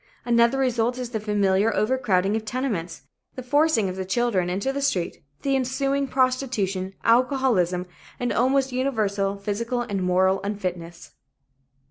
Another result is the familiar overcrowding of tenements, the forcing of the children into the street, the ensuing prostitution, alcoholism and almost universal physical and moral unfitness.